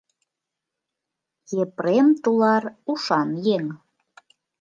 — Епрем тулар — ушан еҥ.